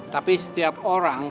tapi setiap orang